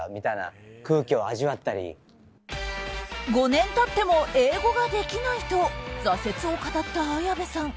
５年経っても英語ができないと挫折を語った綾部さん。